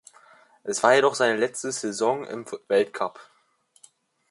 Es war jedoch seine letzte Saison im Weltcup.